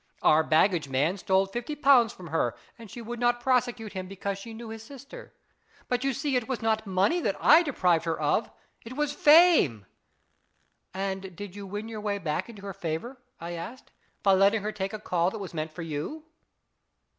Our baggage man stole fifty pounds from her, and she would not prosecute him because she knew his sister. But you see it was not money that I deprived her of it was fame." " And did you win your way back into her favour ?" I asked, " by letting her take a ' call ' that was meant for you